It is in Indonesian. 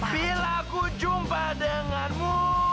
bila ku jumpa denganmu